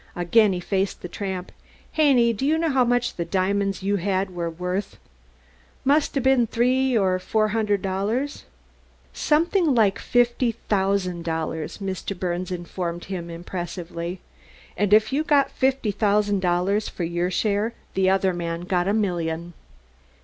Again he faced the tramp: "Haney, do you know how much the diamonds you had were worth?" "Must 'a' been three or four hundred dollars." "Something like fifty thousand dollars," Mr. Birnes informed him impressively; "and if you got fifty thousand dollars for your share the other man got a million."